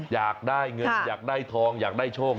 อยากได้เงินอยากได้ทองอยากได้โชค